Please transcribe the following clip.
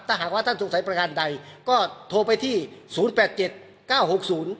ถ้าหากว่าท่านสงสัยประการใดก็โทรไปที่ศูนย์แปดเจ็ดเก้าหกศูนย์